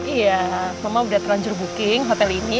iya memang udah terlanjur booking hotel ini